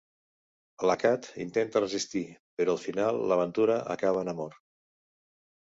La Kat intenta resistir, però al final l'aventura acaba en amor.